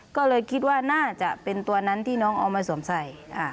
ก็เลยคิดว่าน่าจะเป็นตัวนั้นที่น้องเอามาสวมใส่